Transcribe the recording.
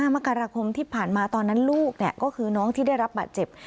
มกราคมที่ผ่านมาตอนนั้นลูกก็คือน้องที่ได้รับบาดเจ็บ